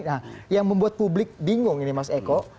nah yang membuat publik bingung ini mas eko